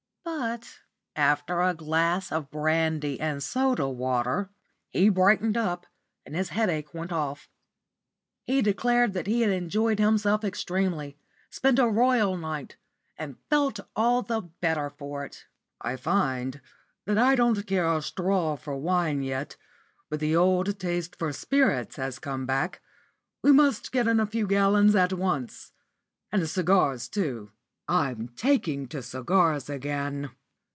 But, after a glass of brandy and soda water, he brightened up, and his headache went off. He declared that he had enjoyed himself extremely, spent a royal night, and felt all the better for it. "I find," he said, "that I don't care a straw for wine yet, but the old taste for spirits has come back. We must get in a few gallons at once. And cigars, too; I'm taking to cigars again."